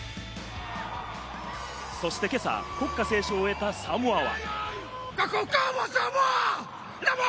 そして今朝、国歌斉唱を終えたサモアは。